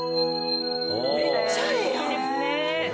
めっちゃええやん！